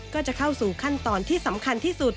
ก็จะเข้าสู่ขั้นตอนที่สำคัญที่สุด